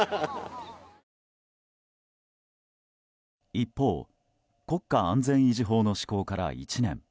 一方、国家安全維持法の施行から１年。